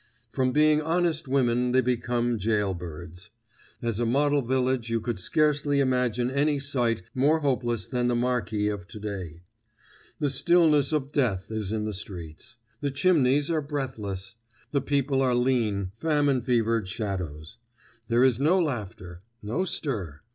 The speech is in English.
From being honest women they become gaol birds. As a model village you could scarcely imagine any sight more hopeless than the Marki of today. The stillness of death is in the streets. The chimneys are breathless. The people are lean, famine fevered shadows. There is no laughter. No stir.